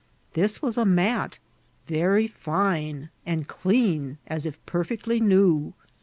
This was a mat, very fine, and dean as if perfectly new.